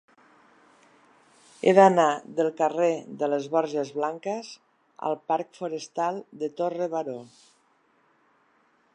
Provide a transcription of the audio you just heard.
He d'anar del carrer de les Borges Blanques al parc Forestal de Torre Baró.